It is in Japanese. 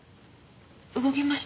動きました。